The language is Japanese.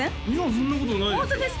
そんなことないです